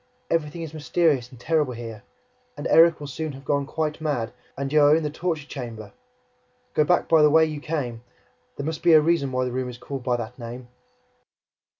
Everything is mysterious and terrible here, and Erik will soon have gone quite mad, and you are in the torture chamber! ... Go back by the way you came. There must be a reason why the room is called by that name!"